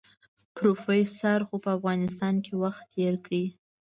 پروفيسر خو په افغانستان کې وخت تېر کړی.